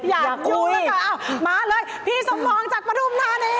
อยากยุ่งละก็เอามาเลยพี่สมองจากประธุมฐานเอง